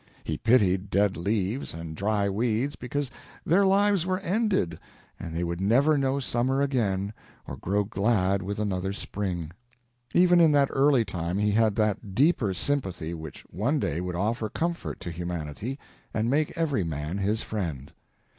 He pitied dead leaves and dry weeds because their lives were ended and they would never know summer again or grow glad with another spring. Even in that early time he had that deeper sympathy which one day would offer comfort to humanity and make every man his friend.